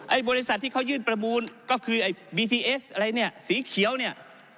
ไอ้บริษัทที่เขายื่นประมูลก็คือไอ้อะไรเนี้ยสีเขียวเนี้ย